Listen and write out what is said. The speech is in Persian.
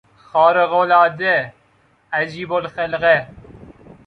خارقالعاده، عجیبالخلقه